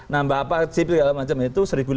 nambah apa chip segala macam itu